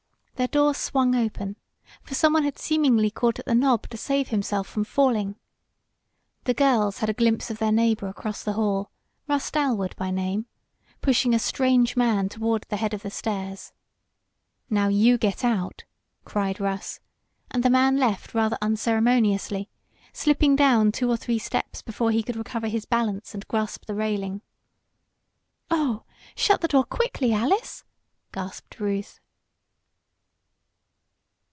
Their door swung open, for someone had seemingly caught at the knob to save himself from falling. The girls had a glimpse of their neighbor across the hall, Russ Dalwood by name, pushing a strange man toward the head of the stairs. "Now you get out!" cried Russ, and the man left rather unceremoniously, slipping down two or three steps before he could recover his balance and grasp the railing. "Oh, shut the door, quickly, Alice!" gasped Ruth.